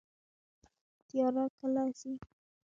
تیاره کله ځي؟